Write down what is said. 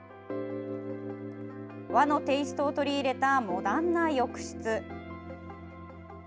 和のテイストを取り入れたモダンな浴室。